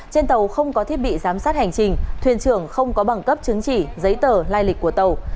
trên tàu không có thiết bị giám sát hành trình thuyền trưởng không có bằng cấp chứng chỉ giấy tờ lai lịch của tàu